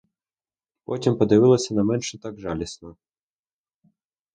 Потім подивилася на меншу так жалісно.